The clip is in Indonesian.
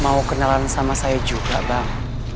mau kenalan sama saya juga bang